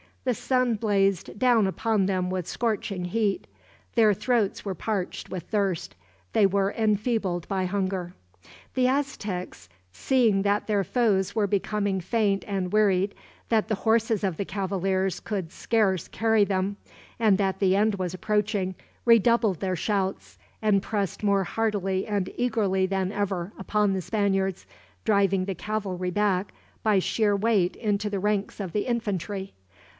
The sun blazed down upon them with scorching heat. Their throats were parched with thirst. They were enfeebled by hunger. The Aztecs, seeing that their foes were becoming faint and wearied, that the horses of the cavaliers could scarce carry them, and that the end was approaching, redoubled their shouts; and pressed more heartily and eagerly than ever upon the Spaniards, driving the cavalry back, by sheer weight, into the ranks of the infantry.